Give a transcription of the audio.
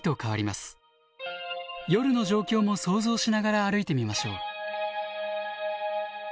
夜の状況も想像しながら歩いてみましょう。